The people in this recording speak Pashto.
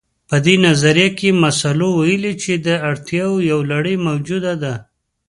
په دې نظريه کې مسلو ويلي چې د اړتياوو يوه لړۍ موجوده ده.